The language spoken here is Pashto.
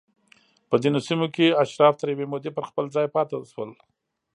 په ځینو سیمو کې اشراف تر یوې مودې پر خپل ځای پاتې شول